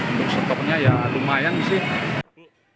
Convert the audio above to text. untuk stoknya ya lumayan sih